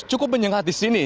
cukup menyengat di sini